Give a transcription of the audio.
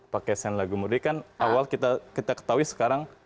pakai sen lagi murni kan awal kita ketahui sekarang